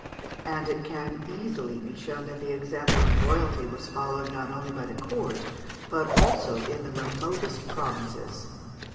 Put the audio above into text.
and it can easily be shown that the example of royalty was followed not only by the court, but also in the remotest provinces.